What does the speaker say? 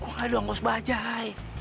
gue gak ada yang ngusbah aja ya